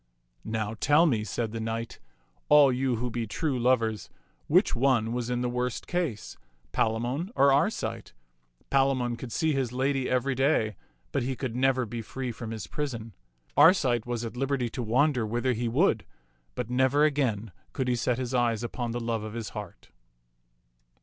["Now tell me," said the knight, "all you who be true lovers, which one was in the worse case, Palamon or Arcite ? Palamon could see his lady every day, but he could never be free from his prison. Arcite was at liberty to wander whither he would, but never again could he set his eyes upon the love of his heart."